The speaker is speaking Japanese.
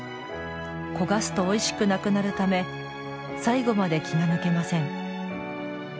焦がすとおいしくなくなるため最後まで気が抜けません。